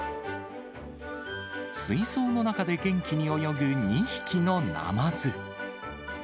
水槽の中で元気に泳ぐ２匹のナマズ。